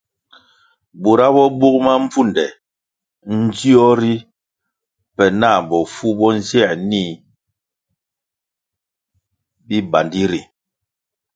Bura bo bug mabvunde ndzio ri pe na bofu bo nziē nih bibandi ri.